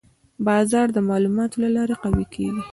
بازار د معلوماتو له لارې قوي کېږي.